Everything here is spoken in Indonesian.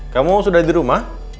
kamu sudah di rumah